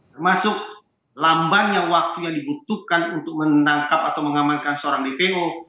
termasuk lambannya waktu yang dibutuhkan untuk menangkap atau mengamankan seorang dpo